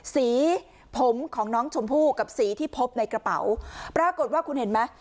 สีผมของน้องชมพู่กับสีที่พบในกระเป๋าปรากฏว่าคุณเห็นไหม